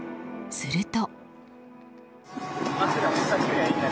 すると。